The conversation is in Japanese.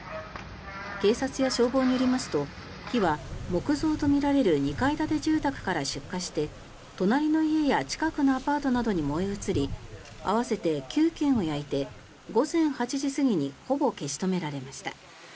警察や消防によりますと火は木造とみられる２階建て住宅から出火して隣の家や近くのアパートなどに燃え移り合わせて９軒を焼いて午前８時過ぎにほぼ消し止められました。